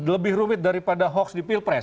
lebih rumit daripada hoax di pilpres